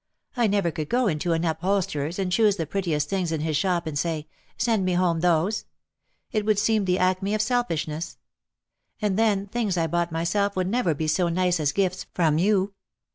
I never could go into an upholsterer's and choose the prettiest things in his shop and say, ' Send me home those.' It would seem the acme of selfishness. And, then, things I bought myself would never be so nice as gifts from you.